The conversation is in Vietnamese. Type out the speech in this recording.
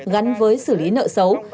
gắn với xử lý nợ xấu